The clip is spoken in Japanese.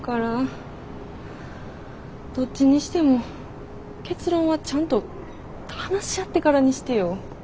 どっちにしても結論はちゃんと話し合ってからにしてよ。